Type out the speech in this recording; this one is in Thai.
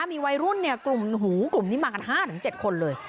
มีวัยรุ่นกลุ่มหูกลุ่มนี้มากัน๕๗คนเลย